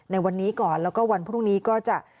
ในวันนี้ก่อนแล้วก็วันพรุ่งนี้ก็จะ